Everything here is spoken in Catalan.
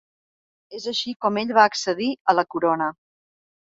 És així com ell va accedir a la corona.